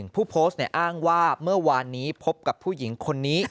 ผู้โพสต์อ้างว่าเมื่อวานนี้พบกับผู้หญิงคนนี้